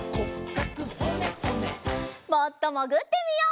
もっともぐってみよう。